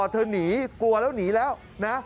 เธอหนีกลัวแล้วหนีแล้วนะ